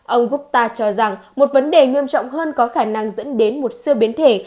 ông gupta cho rằng một vấn đề nghiêm trọng hơn có khả năng dẫn đến một sư biến thể